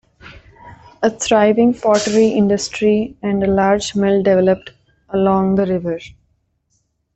A thriving pottery industry and a large mill developed along the river.